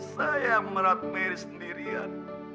saya merat mary sendirian